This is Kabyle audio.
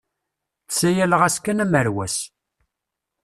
Ttsayaleɣ-as kan amerwas.